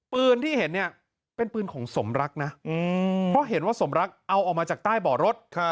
ปืนที่เห็นเนี่ยเป็นปืนของสมรักนะเพราะเห็นว่าสมรักเอาออกมาจากใต้เบาะรถ